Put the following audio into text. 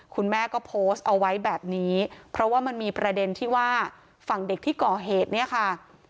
คุณแม่ก็โพสต์เอาไว้แบบนี้เพราะว่ามันมีประเด็นที่ว่าฝั่งเด็กที่ก่อเหตุเนี่ยค่ะ